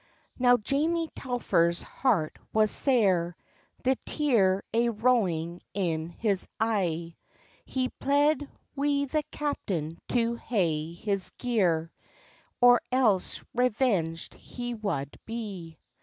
Now Jamie Telfer's heart was sair, The tear aye rowing in his e'e; He pled wi' the captain to hae his gear, Or else revenged he wad be.